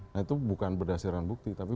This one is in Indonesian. nah itu bukan berdasarkan bukti tapi